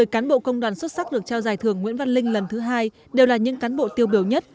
một mươi cán bộ công đoàn xuất sắc được trao giải thưởng nguyễn văn linh lần thứ hai đều là những cán bộ tiêu biểu nhất